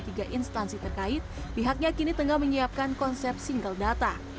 tiga instansi terkait pihaknya kini tengah menyiapkan konsep single data